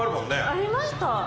ありました！